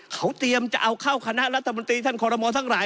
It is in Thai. เขาเตรียมจะเอาเข้าคณะรัฐมนตรีท่านคอรมอทั้งหลาย